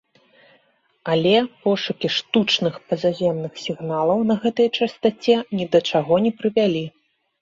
Але, пошукі штучных пазаземных сігналаў на гэтай частаце ні да чаго не прывялі.